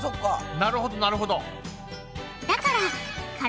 なるほどなるほど。